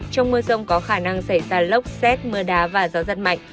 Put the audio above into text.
trong mưa rông có khả năng xảy ra lốc xét mưa đá và gió giật mạnh